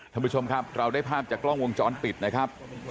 ท่านผู้ชมครับเราได้ภาพจากกล้องวงจรปิดนะครับ